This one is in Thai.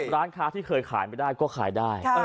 ร้านค้าที่เคยขายไม่ได้ก็ขายได้